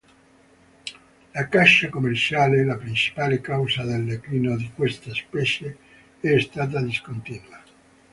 La caccia commerciale, la principale causa del declino di questa specie, è stata discontinua.